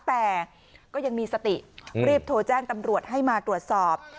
แต่ก็ยังมีสติรีบโทรแจ้งตำรวจให้มาตรวจสอบ